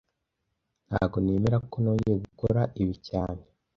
Ntago nemera ko nongeye gukora ibi cyane